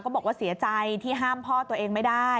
บอกว่าเสียใจที่ห้ามพ่อตัวเองไม่ได้